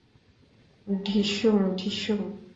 ঢিসুম, ঢিসুম!